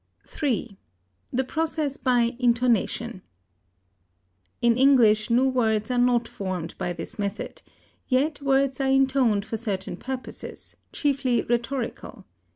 III. THE PROCESS BY INTONATION. In English, new words are not formed by this method, yet words are intoned for certain purposes, chiefly rhetorical.